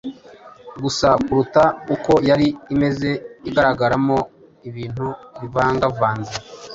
gusa kuruta uko yari imeze, igaragaramo ibintu bivangavanze”.